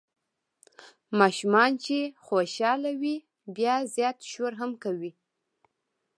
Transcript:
ماشومان چې خوشال وي بیا زیات شور هم کوي.